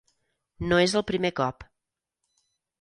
No és el primer cop.